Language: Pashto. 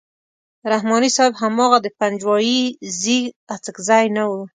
رحماني صاحب هماغه د پنجوایي زېږ اڅکزی نه وو.